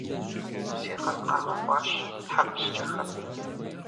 Си гъын къагъэкӀуащ тхьэмыщкӀэхэм.